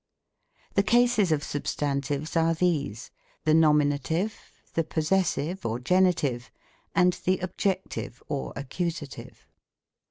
The cases of substantives are these : the Nominative, the Possessive or Genitive, and the Objective or Accu sative.